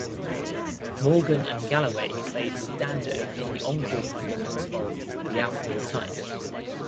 Morgan and Galloway played with Dando in the encore performance of "The Outdoor Type".